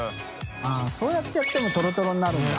そうやってやってもトロトロになるんだ。